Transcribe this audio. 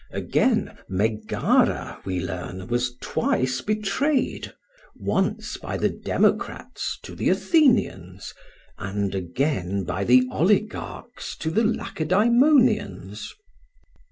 Again, Megara, we learn, was twice betrayed, once by the democrats to the Athenians, and again by the oligarchs to the Lacedaemonians.